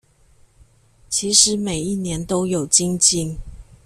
其實每一年都有精進